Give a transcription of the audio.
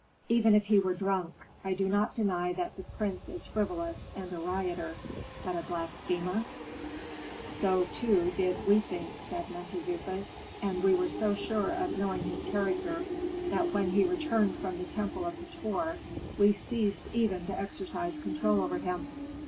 "Even if he were drunk I do not deny that the prince is frivolous, and a rioter; but a blasphemer " "So, too, did we think," said Mentezufis. "And we were so sure of knowing his character that when he returned from the temple of Hator we ceased even to exercise control over him."